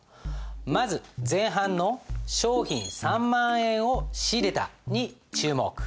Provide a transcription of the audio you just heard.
まず前半の「商品３万円を仕入れた」に注目。